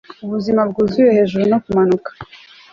ubuzima bwuzuye hejuru no kumanuka